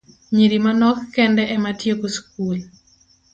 Nyiri manok kende ema tieko skul.